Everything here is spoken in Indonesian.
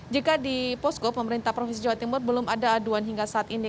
jika di posko pemerintah provinsi jawa timur belum ada aduan hingga saat ini